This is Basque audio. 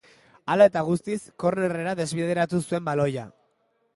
Hala eta guztiz, kornerrera desbideratu zuen baloia.